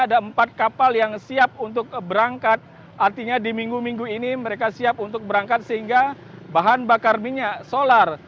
ada empat kapal yang siap untuk berangkat artinya di minggu minggu ini mereka siap untuk berangkat sehingga bahan bakar minyak solar